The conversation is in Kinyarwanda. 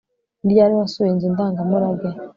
Ni ryari wasuye inzu ndangamurage